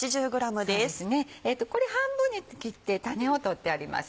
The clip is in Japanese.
これ半分に切って種を取ってありますね。